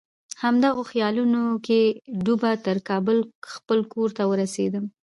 همدغو خیالونو کې ډوبه تر کابل خپل کور ته ورسېدم.